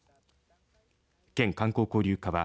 県観光交流課は